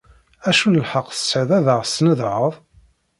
Acu n lḥeqq tesεiḍ ad ɣ-tesnedheḍ?